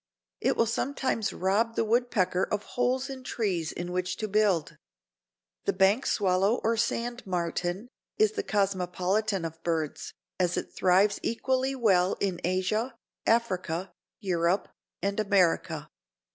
It will sometimes rob the woodpecker of holes in trees in which to build. The bank swallow or sand martin is the cosmopolitan of birds, as it thrives equally well in Asia, Africa, Europe and America.